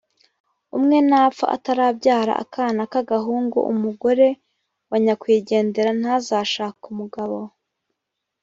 umwe napfa atarabyara akana k’agahungu, umugore wa nyakwigendera ntazashake umugabo